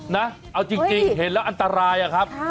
นะเอาจริงเห็นแล้วอันตรายอะครับ